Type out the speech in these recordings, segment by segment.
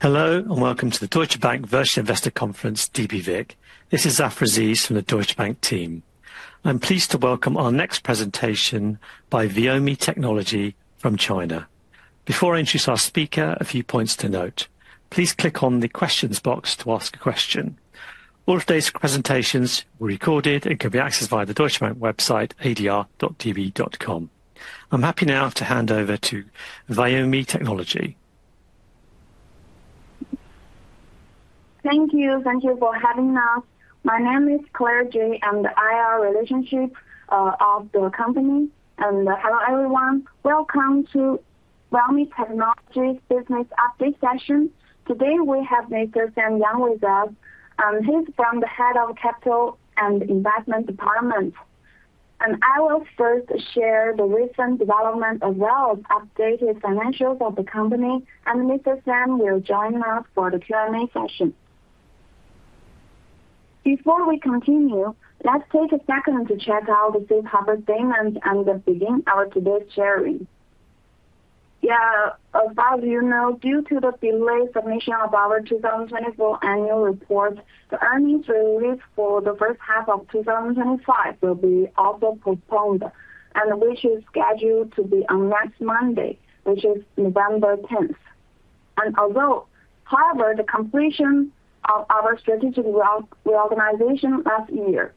Hello and welcome to the Deutsche Bank Virtual Investor Conference, dbVIK. This is Zafra Zi from the Deutsche Bank team. I'm pleased to welcome our next presentation by Viomi Technology from China. Before I introduce our speaker, a few points to note. Please click on the questions box to ask a question. All of today's presentations will be recorded and can be accessed via the Deutsche Bank website, adr.db.com. I'm happy now to hand over to Viomi Technology. Thank you. Thank you for having us. My name is Claire Ji, and I am the IR relationship of the company. Hello, everyone. Welcome to Viomi Technology's business update session. Today we have Mr. Sam Yang with us. He's from the head of capital and investment department. I will first share the recent development as well as updated financials of the company. Mr. Sam will join us for the Q&A session. Before we continue, let's take a second to check out the Safe Harbor statement and begin our today's sharing. Yeah, as far as you know, due to the delayed submission of our 2024 annual report, the earnings release for the first half of 2025 will be also postponed, which is scheduled to be on next Monday, which is November 10th. Although, however, the completion of our strategic reorganization last year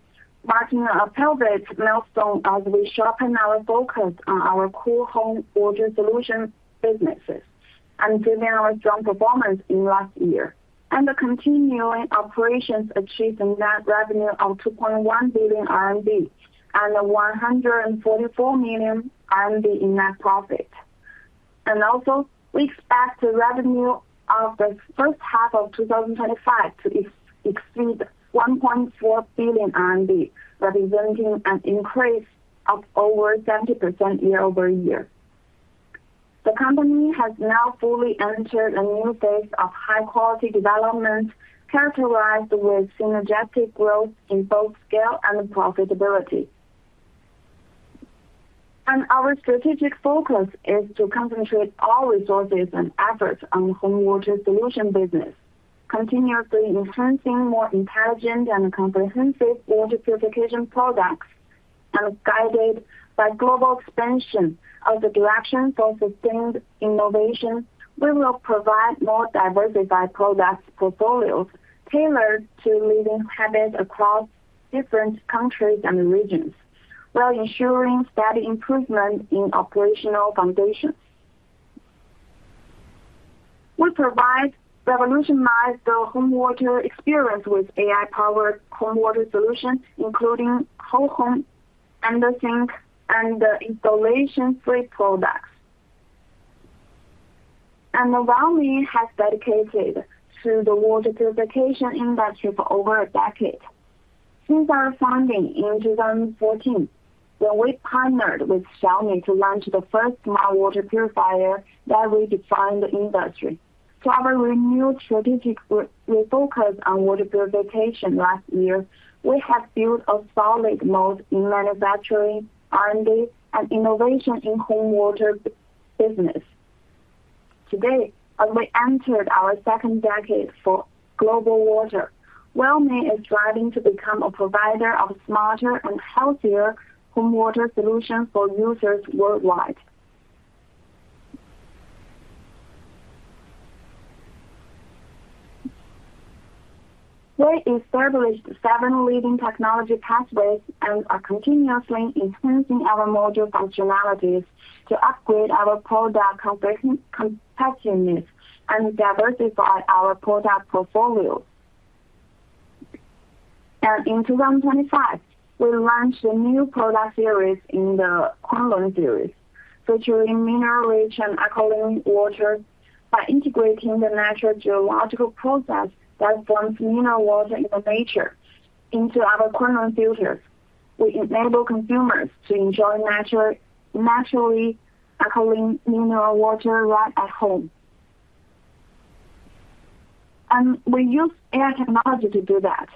marked a pivot milestone as we sharpened our focus on our cool home water solution businesses and given our strong performance in last year. The continuing operations achieved a net revenue of 2.1 billion RMB and 144 million RMB in net profit. Also, we expect the revenue of the first half of 2025 to exceed 1.4 billion RMB, representing an increase of over 70% year-over-year. The company has now fully entered a new phase of high-quality development characterized with synergetic growth in both scale and profitability. Our strategic focus is to concentrate all resources and efforts on the home water solution business, continuously enhancing more intelligent and comprehensive water purification products. Guided by global expansion of the direction for sustained innovation, we will provide more diversified product portfolios tailored to leading habits across different countries and regions, while ensuring steady improvement in operational foundations. We provide revolutionized home water experience with AI-powered home water solutions, including whole home under-sink and installation-free products. Viomi has dedicated to the water purification industry for over a decade. Since our founding in 2014, when we partnered with Xiaomi to launch the first smart water purifier that redefined the industry. To our renewed strategic focus on water purification last year, we have built a solid moat in manufacturing, R&D, and innovation in the home water business. Today, as we entered our second decade for global water, Viomi is striving to become a provider of smarter and healthier home water solutions for users worldwide. We established seven-leading technology pathways and are continuously enhancing our module functionalities to upgrade our product competitiveness and diversify our product portfolios. In 2025, we launched a new product series in the Kunlun series, featuring mineral-rich and alkaline water by integrating the natural geological process that forms mineral water in nature into our Kunlun filters. We enable consumers to enjoy naturally alkaline mineral water right at home. We use AI technology to do that.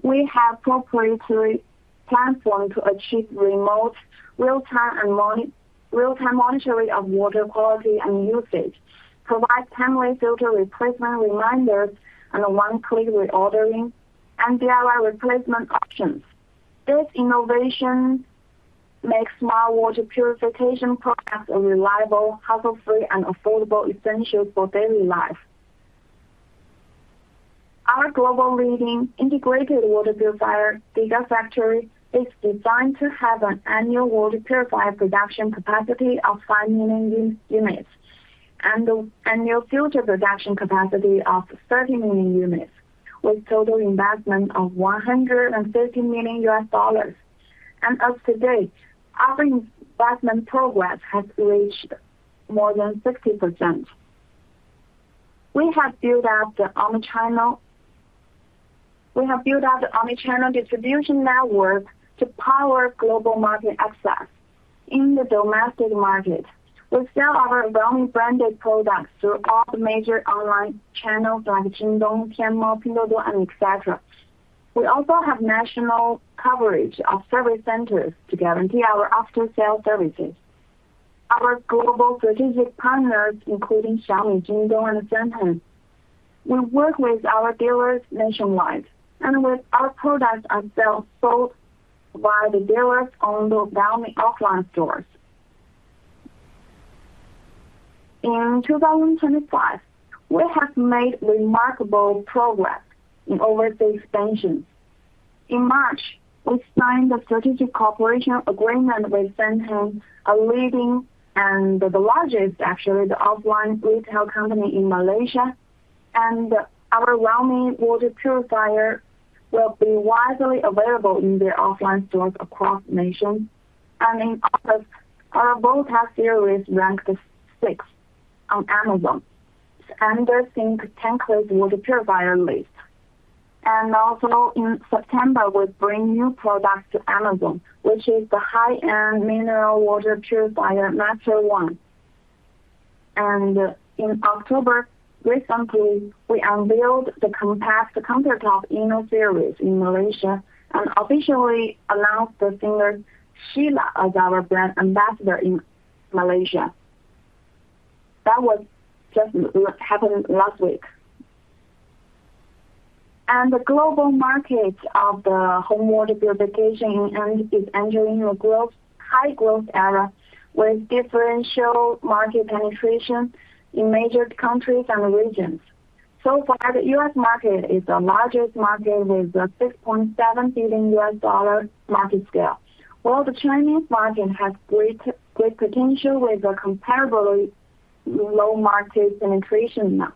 We have a proprietary platform to achieve remote real-time monitoring of water quality and usage, provide timely filter replacement reminders and one-click reordering, and DIY replacement options. This innovation makes smart water purification products a reliable, hassle-free, and affordable essential for daily life. Our global leading integrated Water Purifier Gigafactory is designed to have an annual water purifier production capacity of 5 million units and an annual filter production capacity of 30 million units, with a total investment of $150 million. As of today, our investment progress has reached more than 60%. We have built out the omnichannel distribution network to power global market access in the domestic market. We sell our Viomi branded products through all the major online channels like Jingdong, Tmall, Pinduoduo, and etc. We also have national coverage of service centers to guarantee our after-sale services. Our global strategic partners, including Xiaomi, Jingdong, and Senheng, work with our dealers nationwide. With our products, our sales are sold by the dealers on the Viomi offline stores. In 2025, we have made remarkable progress in overseas expansions. In March, we signed a strategic cooperation agreement with Senheng, a leading and the largest, actually, the offline retail company in Malaysia. Our Viomi water purifier will be widely available in their offline stores across the nation. In August, our Volta Series ranked sixth on Amazon's under-sink 10-class water purifier list. Also in September, we bring new products to Amazon, which is the high-end mineral water purifier MASTER M1. In October, recently, we unveiled the compact countertop INNO Series in Malaysia and officially announced the singer Shila as our brand ambassador in Malaysia. That was just what happened last week. The global market of the home water purification is entering a high growth era with differential market penetration in major countries and regions. So far, the U.S. market is the largest market with a $6.7 billion market scale, while the Chinese market has great potential with a comparatively low market penetration now.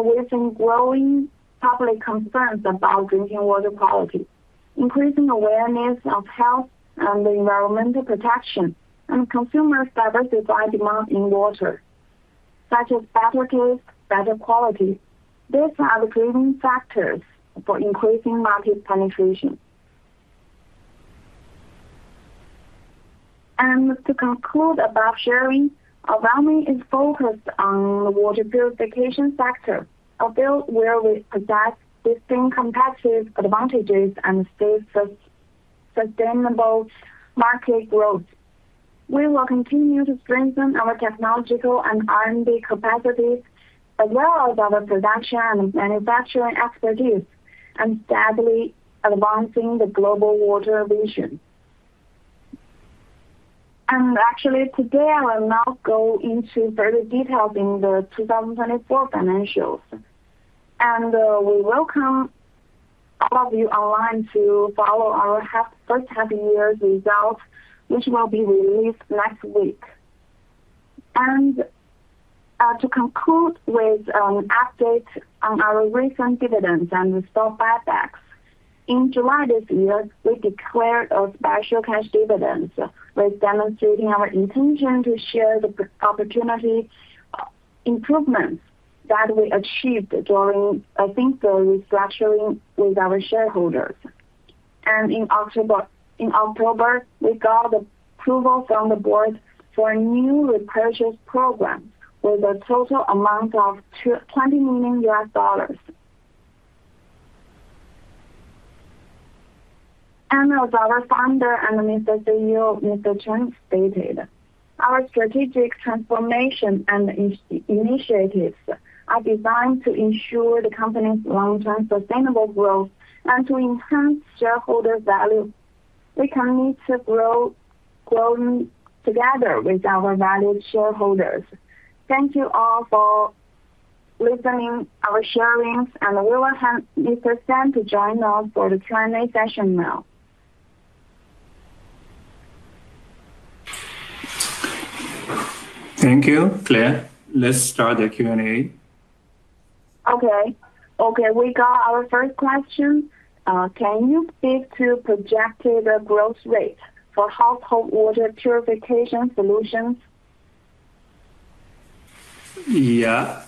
We've seen growing public concerns about drinking water quality, increasing awareness of health and environmental protection, and consumers' diversified demand in water, such as better taste, better quality. These are the driving factors for increasing market penetration. To conclude about sharing, Viomi is focused on the water purification sector, a field where we possess distinct competitive advantages and stable sustainable market growth. We will continue to strengthen our technological and R&D capacities, as well as our production and manufacturing expertise, and steadily advancing the global water vision. Actually, today, I will not go into further details in the 2024 financials. We welcome all of you online to follow our first half-year results, which will be released next week. To conclude with an update on our recent dividends and the stock buybacks. In July this year, we declared a special cash dividend, demonstrating our intention to share the opportunity. Improvements that we achieved during a think-through restructuring with our shareholders. In October, we got approval from the Board for a new repurchase program with a total amount of $20 million. As our founder and Chief Executive Officer, Mr. Chen, stated, our strategic transformation and initiatives are designed to ensure the company's long-term sustainable growth and to enhance shareholder value. We can meet to grow together with our valued shareholders. Thank you all for listening to our sharings, and we will have Mr. Yang to join us for the Q&A session now. Thank you, Claire. Let's start the Q&A. Okay. Okay. We got our first question. Can you speak to projected growth rate for household water purification solutions? Yeah.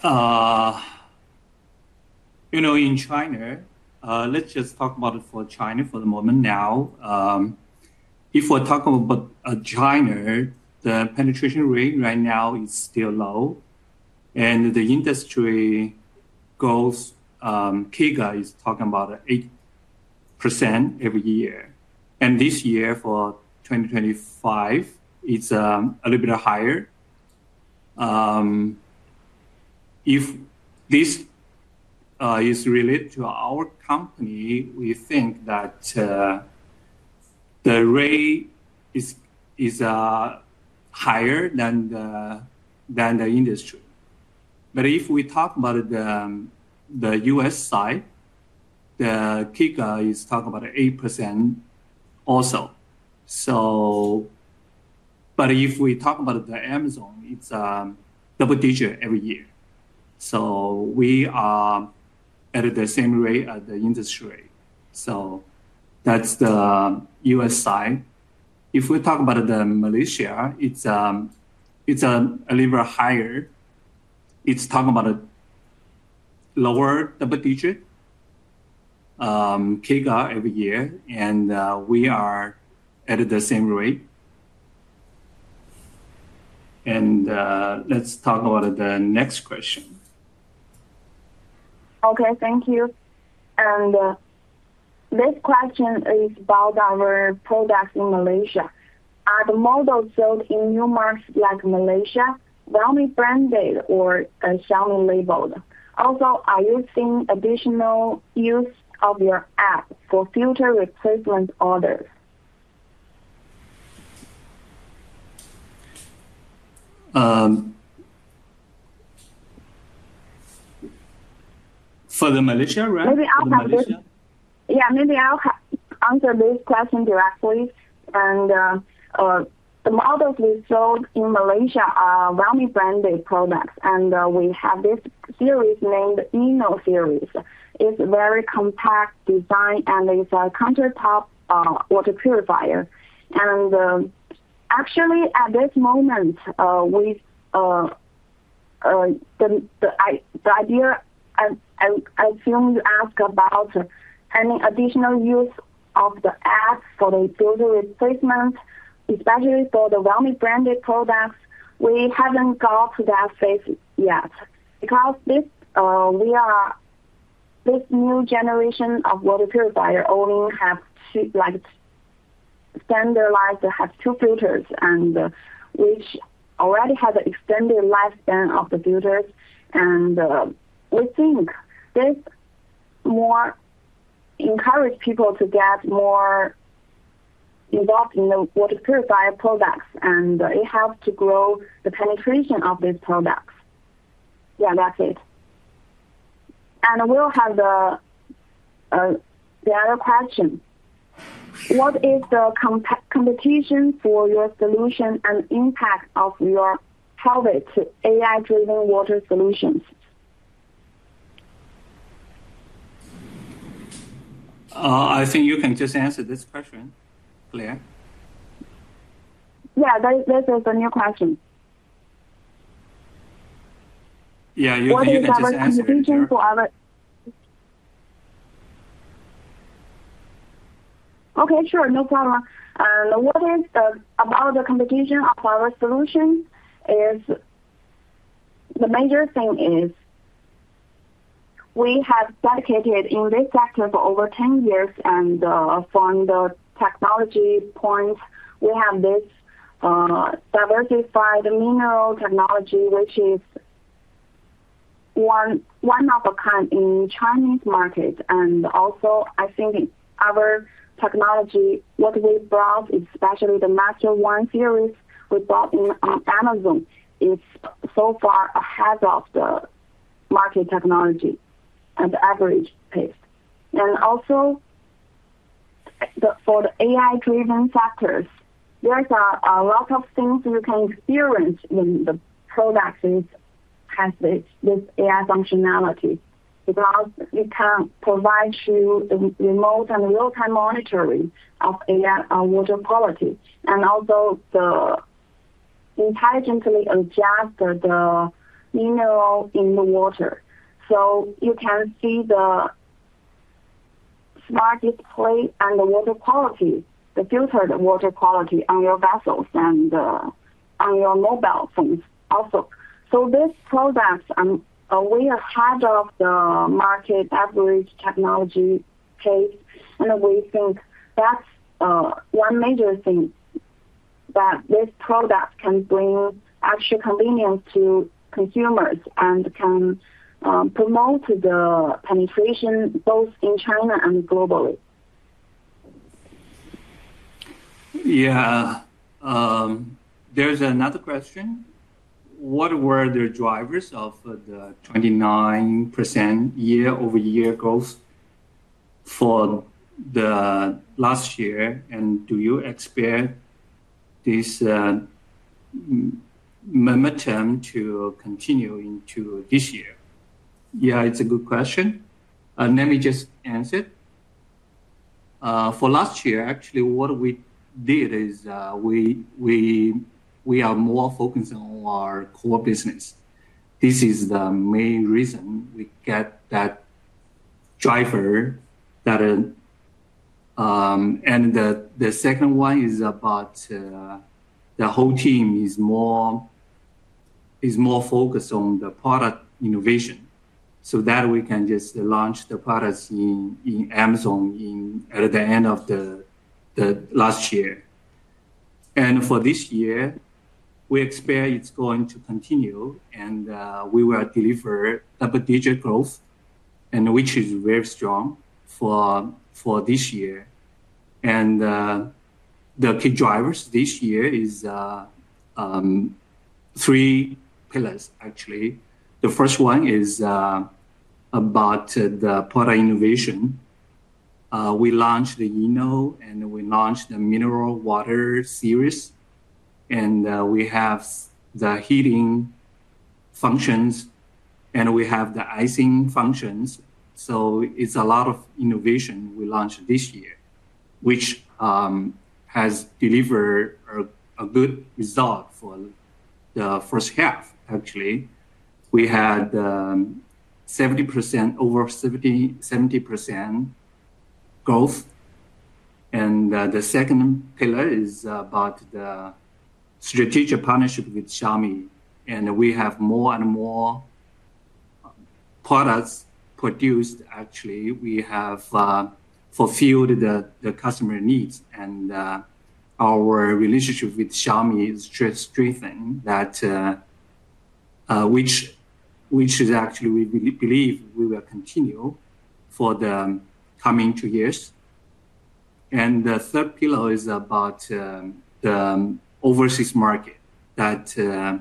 In China, let's just talk about it for China for the moment now. If we're talking about China, the penetration rate right now is still low. The industry CAGR is talking about 8% every year. This year, for 2025, it's a little bit higher. If this is related to our company, we think that the rate is higher than the industry. If we talk about the U.S. side, the CAGR is talking about 8% also. If we talk about Amazon, it's a double digit every year. So we are at the same rate as the industry. So that's the U.S. side. If we talk about Malaysia, it's a little bit higher. It's talking about a lower double digit CAGR every year, and we are at the same rate. Let's talk about the next question. Thank you. This question is about our products in Malaysia. Are the models sold in new markets like Malaysia, Viomi branded, or Xiaomi labeled? Also, are you seeing additional use of your app for filter replacement orders? For Malaysia, right? Maybe I'll answer. For the Malaysia. Yeah, maybe I'll answer this question directly. The models we sold in Malaysia are Viomi-branded products. We have this series named INNO Series. It's a very compact design, and it's a countertop water purifier. Actually, at this moment, we. The idea. I assume you asked about any additional use of the app for the filter replacement, especially for the Viomi-branded products. We haven't got to that phase yet. Because this new generation of water purifier only has. Standardized to have two filters, and which already has an extended lifespan of the filters. We think this more encourages people to get more involved in the water purifier products, and it helps to grow the penetration of these products. Yeah, that's it. We'll have the other question. What is the competition for your solution and impact of your hobby to AI-driven water solutions? I think you can just answer this question, Claire. Yeah, this is the new question. Yeah, you didn't get the question. What is our competition for our? Okay, sure. No problem. What is about the competition of our solution? The major thing is we have dedicated in this sector for over 10 years. From the technology point, we have this diversified mineral technology, which is one of a kind in the Chinese market. Also, I think our technology, what we brought, especially the Master M1 Series we brought on Amazon, is so far ahead of the market technology at the average pace. Also for the AI-powered factors, there's a lot of things you can experience when the product has this AI functionality because it can provide you remote and real-time monitoring of water quality and also the intelligently adjusts the mineral in the water. So you can see the smart display and the water quality, the filtered water quality on your vessels and on your mobile phones also. So this product, we are ahead of the market average technology pace. We think that's one major thing that this product can bring extra convenience to consumers and can promote the penetration both in China and globally. Yeah. There's another question. What were the drivers of the 29% year-over-year growth for the last year? Do you expect this momentum to continue into this year? Yeah, it's a good question. Let me just answer. For last year, actually, what we did is we are more focused on our core business. This is the main reason we get that driver. The second one is about the whole team is more focused on the product innovation so that we can just launch the products in Amazon at the end of the last year. For this year, we expect it's going to continue, and we will deliver double-digit growth, which is very strong for this year. The key drivers this year are three pillars, actually. The first one is about the product innovation. We launched the INNO, and we launched the mineral water series. We have the heating functions, and we have the icing functions. So it's a lot of innovation we launched this year, which has delivered a good result for the first half, actually. We had 70%, over 70% growth. The second pillar is about the strategic partnership with Xiaomi. We have more and more products produced, actually. We have fulfilled the customer needs, and our relationship with Xiaomi is strengthened, which is actually we believe we will continue for the coming two years. The third pillar is about the overseas market. You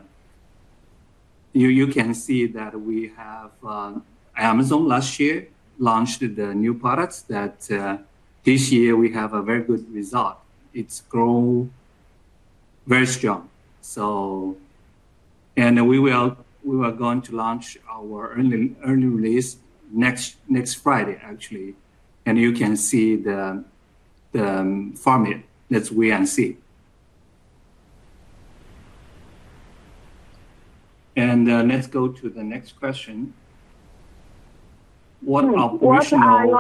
can see that we have Amazon last year launched the new products. This year, we have a very good result. It's grown very strong. We are going to launch our early release next Friday, actually. You can see the format that we can see. Let's go to the next question. What are our?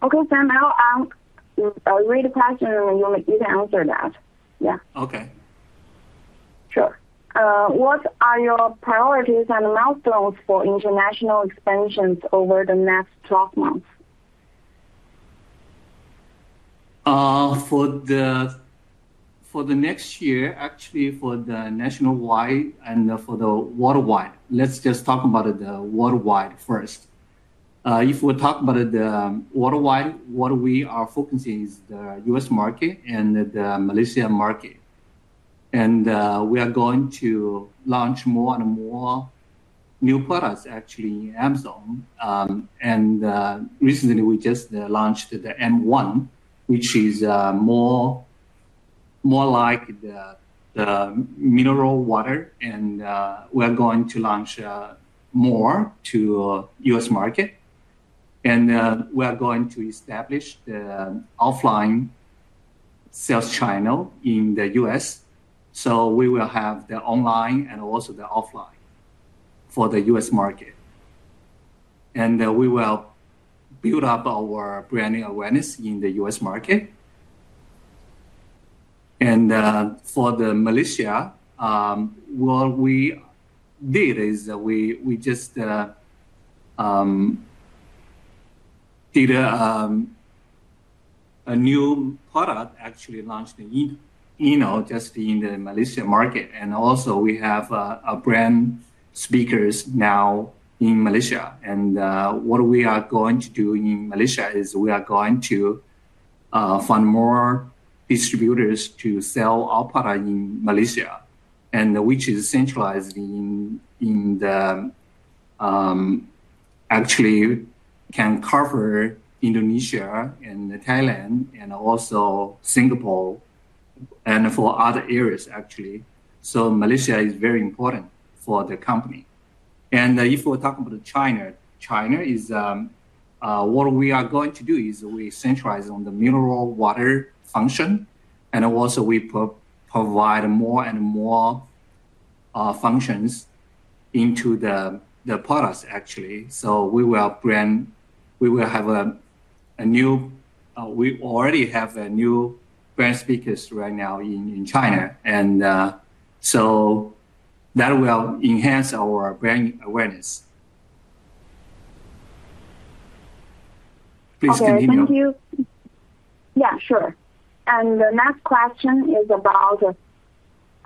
Okay, Sam, I'll read the question, and you can answer that. Yeah. Okay. Sure. What are your priorities and milestones for international expansions over the next 12 months? For the next year, actually, for the nationwide and for the worldwide, let's just talk about the worldwide first. If we talk about the worldwide, what we are focusing on is the U.S. market and the Malaysia market. We are going to launch more and more new products, actually, in Amazon. Recently, we just launched the M1, which is more like the mineral water. We're going to launch more to the U.S. market. We're going to establish the offline sales channel in the U.S. We will have the online and also the offline for the U.S. market. We will build up our branding awareness in the U.S. market. For the Malaysia, what we did is we just did a new product, actually, launched in just in the Malaysia market. Also, we have brand speakers now in Malaysia. What we are going to do in Malaysia is we are going to find more distributors to sell our product in Malaysia, which is centralized in actually can cover Indonesia and Thailand and also Singapore. For other areas, actually, Malaysia is very important for the company. If we're talking about China, China, what we are going to do is we centralize on the mineral water function. Also, we provide more and more functions into the products, actually. We will have a new, we already have a new brand speakers right now in China. That will enhance our brand awareness. Please continue. Okay. Thank you. Yeah, sure. The next question is about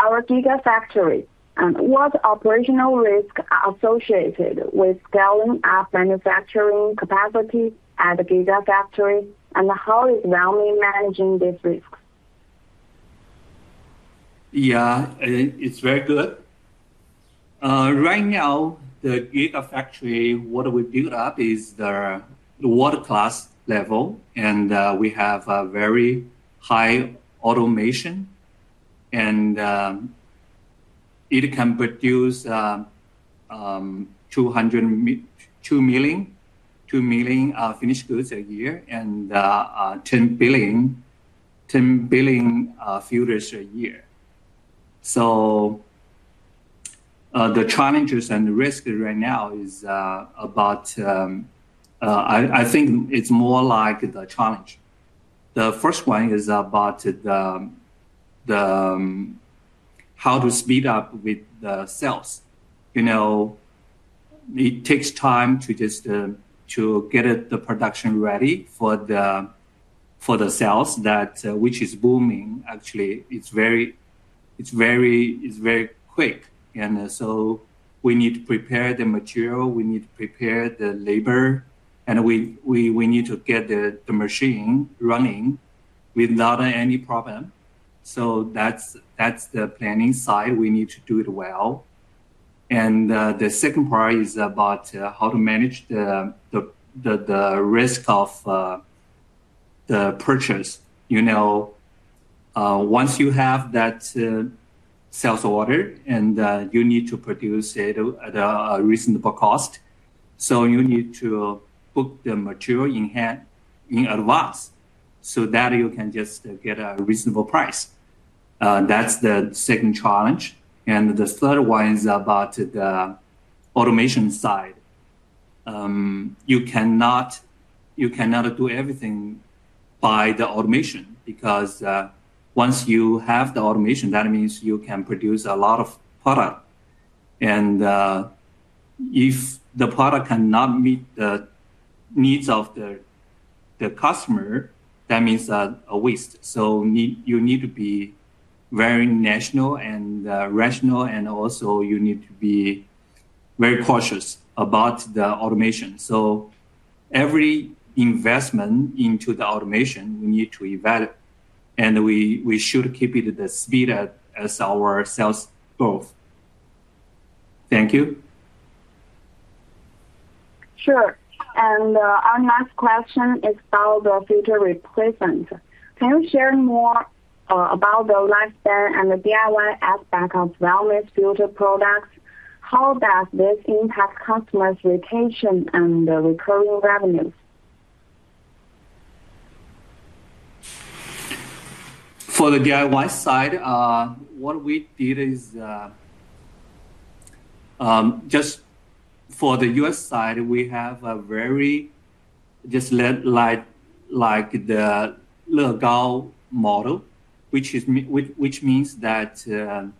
our Gigafactory. What operational risks are associated with scaling up manufacturing capacity at the Gigafactory? How is Viomi managing these risks? Yeah, it's very good. Right now, the Gigafactory, what we built up is the water class level. We have a very high automation. It can produce 2.2 million finished goods a year and 10 billion filters a year. So the challenges and the risks right now is about, I think it's more like the challenge. The first one is about how to speed up with the sales. It takes time to get the production ready for the sales, which is booming, actually. It's very quick. So we need to prepare the material. We need to prepare the labor. We need to get the machine running without any problem. So that's the planning side. We need to do it well. The second part is about how to manage the risk of the purchase. Once you have that sales order, and you need to produce it at a reasonable cost, so you need to book the material in advance so that you can just get a reasonable price. That's the second challenge. The third one is about the automation side. You cannot do everything by the automation because once you have the automation, that means you can produce a lot of product. If the product cannot meet the needs of the customer, that means a waste. So you need to be very rational and rational. Also, you need to be very cautious about the automation. So every investment into the automation, we need to evaluate. We should keep it at the speed as our sales growth. Thank you. Sure. Our next question is about the filter replacement. Can you share more about the lifespan and the DIY aspect of Viomi's filter products? How does this impact customers' vacation and the recurring revenues? For the DIY side, what we did is just for the U.S. side, we have a very legal model, which means that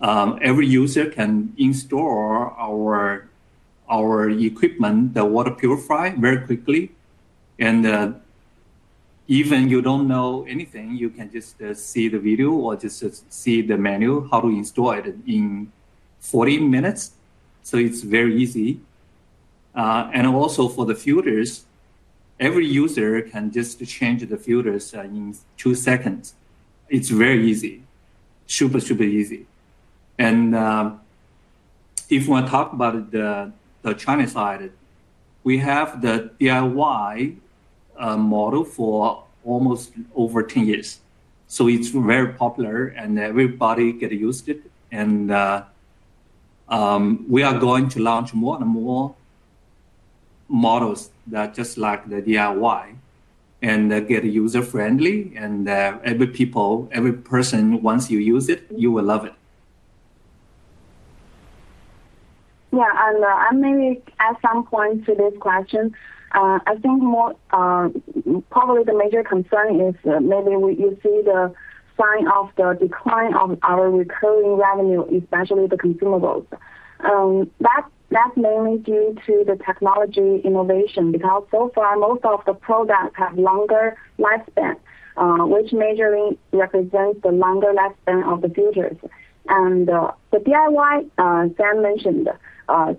every user can install our equipment, the water purifier, very quickly. Even you don't know anything, you can just see the video or just see the manual how to install it in 40 minutes. So it's very easy. Also, for the filters, every user can just change the filters in two seconds. It's very easy. Super, super easy. If we talk about the Chinese side, we have the DIY model for almost over 10 years. So it's very popular, and everybody gets used to it. We are going to launch more and more models that are just like the DIY and get user-friendly. Every person, once you use it, you will love it. Yeah. Maybe at some point to this question, I think. Probably the major concern is maybe you see the sign of the decline of our recurring revenue, especially the consumables. That's mainly due to the technology innovation because so far, most of the products have longer lifespan, which majorly represents the longer lifespan of the filters. The DIY, Sam mentioned,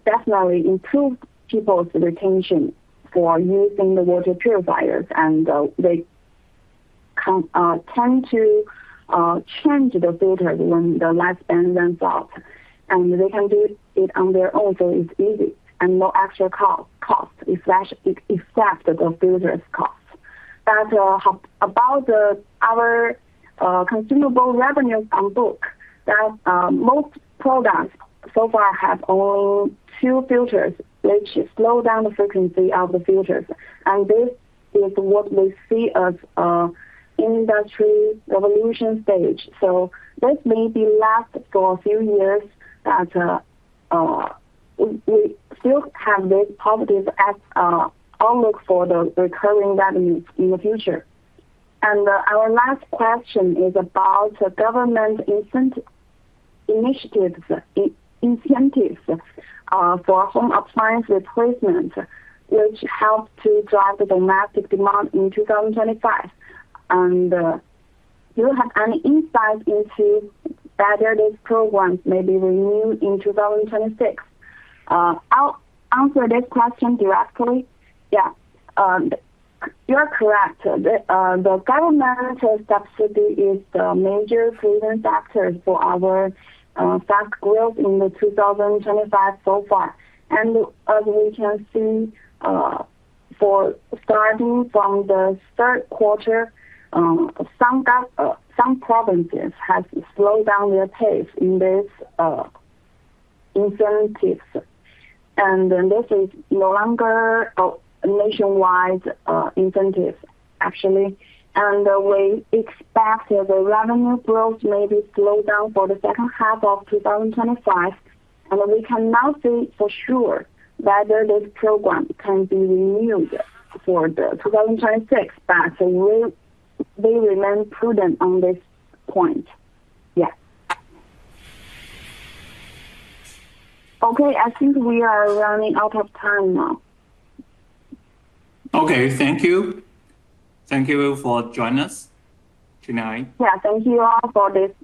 definitely improved people's retention for using the water purifiers. They tend to change the filters when the lifespan runs out. They can do it on their own. So it's easy and no extra cost. Except the filter's cost. About our consumable revenue on book, most products so far have only two filters, which slow down the frequency of the filters. This is what we see as an industry revolution stage. So this may be last for a few years that. We still have this positive outlook for the recurring revenues in the future. Our last question is about government incentives for home appliance replacement, which helped to drive the domestic demand in 2025. Do you have any insight into whether this program may be renewed in 2026? I'll answer this question directly. Yeah. You're correct. The government subsidy is the major driving factor for our fast growth in the 2025 so far. As we can see starting from the third quarter. Some provinces have slowed down their pace in this incentives. This is no longer a nationwide incentive, actually. We expect the revenue growth may be slowed down for the second half of 2025. We cannot say for sure whether this program can be renewed for the 2026, but we remain prudent on this point. Yeah. Okay. I think we are running out of time now. Okay. Thank you. Thank you for joining us. Yeah. Thank you all for this.